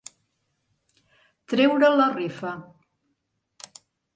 Treure la rifa.